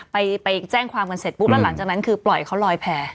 ไปแจ้งความกันเสร็จปุ๊บแล้วหลังจากนั้นคือปล่อยเขาลอยแผล